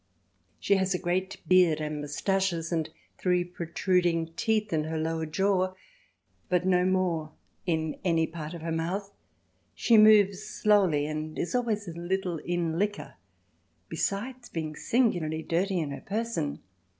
She has a great beard and moustaches and three projecting teeth in her lower jaw but no more in any part of her mouth. She moves slowly and is always a little in liquor besides being singularly dirty in her person.